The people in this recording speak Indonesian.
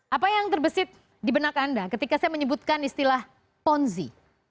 apa yang terbesit di benak anda ketika saya menyebutkan istilah ponzi